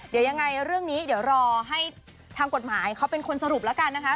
เดี๋ยวยังไงเรื่องนี้เดี๋ยวรอให้ทางกฎหมายเขาเป็นคนสรุปแล้วกันนะคะ